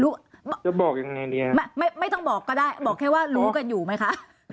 จะบอกยังไงดีไม่ไม่ต้องบอกก็ได้บอกแค่ว่ารู้กันอยู่ไหมคะ